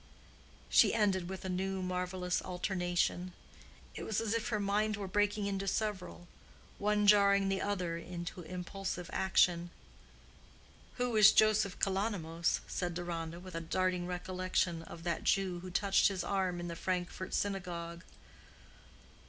she ended, with a new marvelous alternation. It was as if her mind were breaking into several, one jarring the other into impulsive action. "Who is Joseph Kalonymos?" said Deronda, with a darting recollection of that Jew who touched his arm in the Frankfort synagogue.